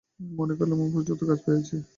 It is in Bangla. মনে করিলাম, আমার উপযুক্ত কাজ পাইয়াছি।